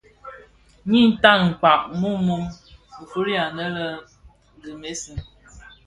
Dhi tan kpag mum a bum. Nfuli anë lè Grémisse,